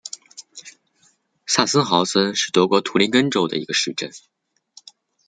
萨森豪森是德国图林根州的一个市镇。